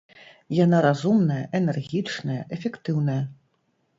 Яна разумная, энергічная, эфектыўная.